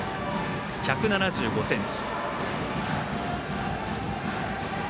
１７５ｃｍ。